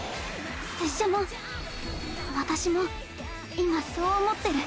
拙者も私も今そう思ってる。